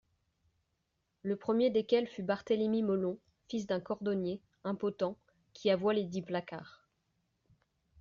Le premier desquels fut Barthélemy Mollon, fils d'un cordonnier, impotent, qui avoit lesdicts placards.